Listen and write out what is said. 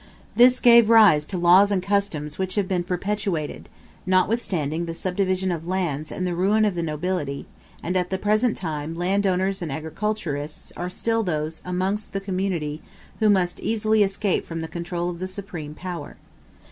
This gave rise to laws and customs which have been perpetuated, notwithstanding the subdivision of lands and the ruin of the nobility; and, at the present time, landowners and agriculturists are still those amongst the community who must easily escape from the control of the supreme power.